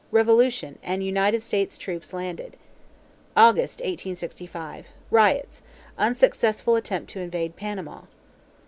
Revolution, and United States troops landed. August, 1865. Riots; unsuccessful attempt to invade Panama.